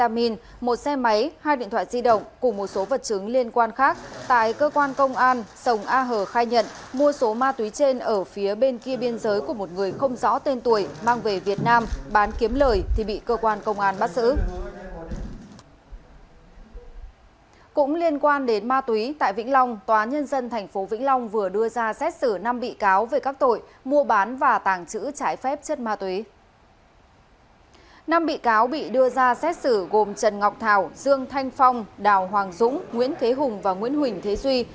năm bị cáo bị đưa ra xét xử gồm trần ngọc thảo dương thanh phong đào hoàng dũng nguyễn thế hùng và nguyễn huỳnh thế duy